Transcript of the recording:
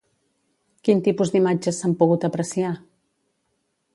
Quin tipus d'imatges s'han pogut apreciar?